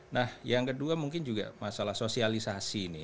nah yang kedua mungkin juga masalah sosialisasi nih